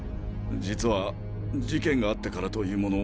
実は事件があってからというもの